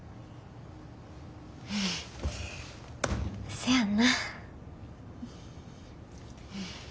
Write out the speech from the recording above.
せやんな。